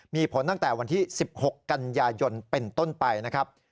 มีผลตั้งแต่วันที่๑๖กันยายนเป็นต้นไปนะครับ